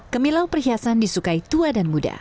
kemilau perhiasan disukai tua dan muda